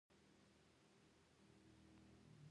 چې شايد د خپلې خوښې پوهنځۍ ته کاميابه شوې يم.